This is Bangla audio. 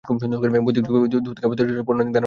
বৈদিক যুগে দুধ থেকে তৈরি খাবার ছিল পৌরাণিক ধারার অংশ।